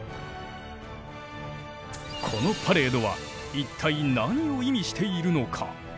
このパレードは一体何を意味しているのか？